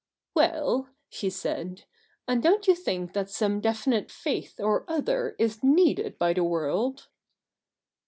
' Well,' she said, ' and don't you think that some definite faith or other is needed by the world